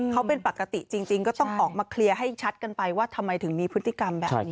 เขาเป็นปกติจริงก็ต้องออกมาเคลียร์ให้ชัดกันไปว่าทำไมถึงมีพฤติกรรมแบบนี้